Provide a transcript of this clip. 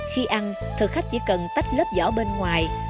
khi ăn thực khách chỉ cần tách lớp giỏ bên ngoài